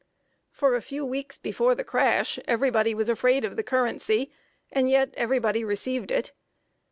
For a few weeks before the crash, everybody was afraid of the currency, and yet everybody received it.